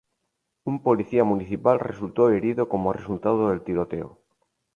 Un policía municipal resultó herido como resultado del tiroteo.